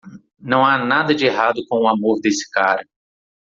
Não há nada de errado com o amor desse cara.